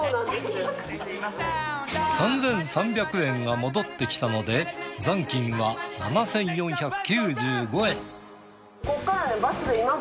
３，３００円が戻ってきたので残金は７，４９５円。